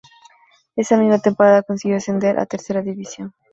Esa misma temporada consiguió ascender a Tercera División.